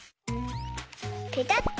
ペタッと。